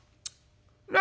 何？